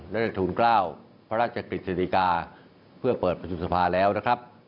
และในฐูลเกล้าพระราชกฤษฎิกาเพื่อเปิดประชุมทรภาพแล้วนะครับ